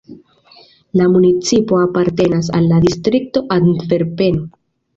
La municipo apartenas al la distrikto "Antverpeno".